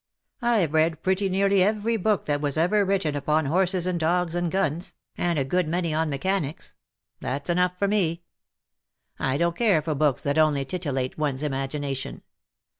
IVe read pretty nearly every book that was ever written upon horses and dogs and guns_, and a good many on mechanics ; that^s enough for me. I don''t care for books that only titillate one's imagination.